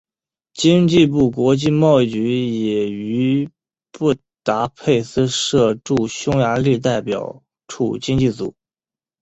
经济部国际贸易局也于布达佩斯设立驻匈牙利代表处经济组。